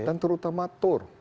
dan terutama tour